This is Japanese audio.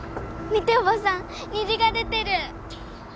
見ておばさん虹が出てる！